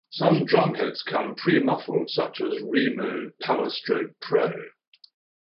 Some drumheads come pre-muffled such as Remo Powerstroke Pro.